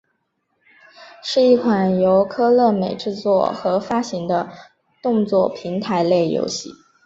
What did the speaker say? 是一款由科乐美制作和发行的动作平台类游戏。